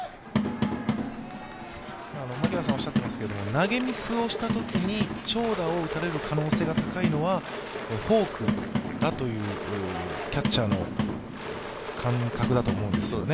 投げミスをしたときに長打を打たれる可能性が高いのはフォークだというキャッチャーの感覚だと思うんですよね。